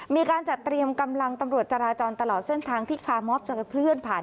มีการจัดเตรียมกำลังตำรวจจราจรตลอดเส้นทางที่คาร์มอบจะเคลื่อนผ่าน